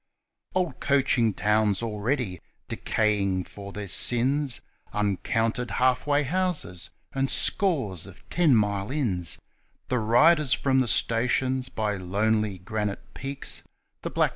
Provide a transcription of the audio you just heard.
Old coaching towns already ' decaying for their sins,' Uncounted 'Half Way Houses,' and scores of 'Ten Mile Inns ;' The riders from the stations by lonely granite peaks ; 89 40 THE LIGHTS OF COBB AND CO.